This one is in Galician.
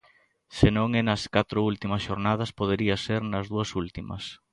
Se non é nas catro últimas xornadas, podería ser nas dúas últimas.